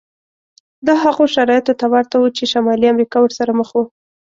دا هغو شرایطو ته ورته و چې شمالي امریکا ورسره مخ وه.